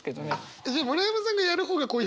じゃあ村山さんがやる方がこういうミス多い？